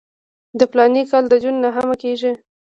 د فلاني کال د جون نهمه کېږي.